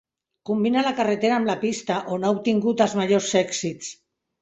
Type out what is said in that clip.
Combina la carretera amb la pista, on ha obtingut els majors èxits.